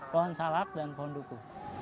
pohon salak dan pohon duku